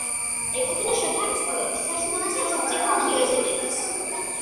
ეკუთვნის შოთა რუსთაველის სახელობის სახელმწიფო უნივერსიტეტს.